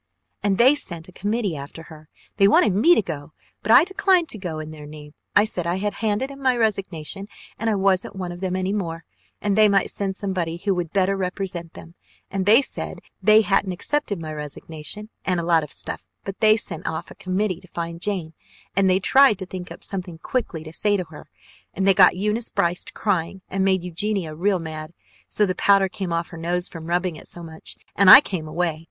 and they sent a committee after her. They wanted me to go, but I declined to go in their name. I said I had handed in my resignation and I wasn't one of them any more, and they might send somebody who would better represent them, and they said they hadn't accepted my resignation and a lot of stuff, but they sent off a committee to find Jane, and they tried to think up something quickly to say to her, and they got Eunice Brice to crying and made Eugenia real mad so the powder came off her nose from rubbing it so much, and I came away.